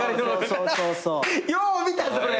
よう見たそれ。